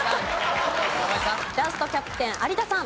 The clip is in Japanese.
ラストキャプテン有田さん。